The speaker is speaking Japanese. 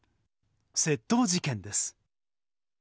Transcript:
窃盗事件です。